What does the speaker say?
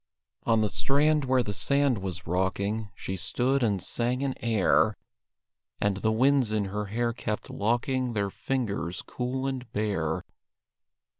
On the strand where the sand was rocking She stood and sang an air; And the winds in her hair kept locking Their fingers cool and bare.